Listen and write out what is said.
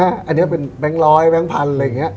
อันนี้เป็นแบงค์ร้อยแบงค์พันธุ์